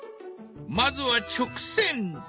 まずは直線。